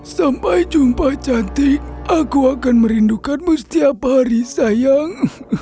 sampai jumpa cantik aku akan merindukanmu setiap hari sayang